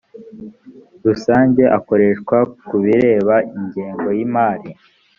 rusange akoreshwa ku bireba ingengo y imari